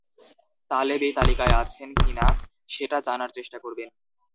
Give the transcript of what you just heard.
তালেব এই তালিকায় আছেন কি না সেটা জানার চেষ্টা করবেন।